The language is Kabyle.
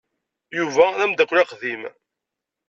Yuba d ameddakel aqdim.